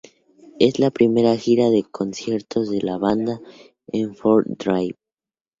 Es la primera gira de conciertos de la banda Heffron Drive.